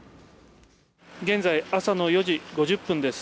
現在、朝の４時５０分です。